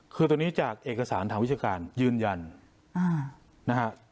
คือตอนนี้จากเอกสารทางวิชาการยืนยันนะฮะ